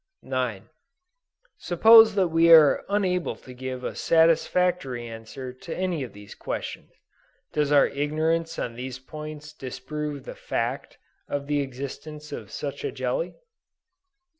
Suppose that we are unable to give a satisfactory answer to any of these questions, does our ignorance on these points disprove the fact of the existence of such a jelly?